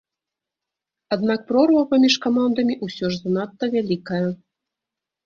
Аднак прорва паміж камандамі ўсё ж занадта вялікая.